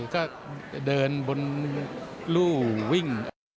ก็เดินบนรู่วิ่ง